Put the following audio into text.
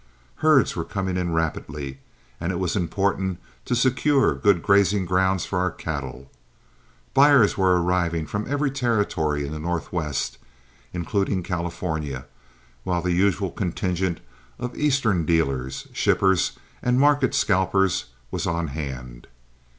Herds were coming in rapidly, and it was important to secure good grazing grounds for our cattle. Buyers were arriving from every territory in the Northwest, including California, while the usual contingent of Eastern dealers, shippers, and market scalpers was on hand.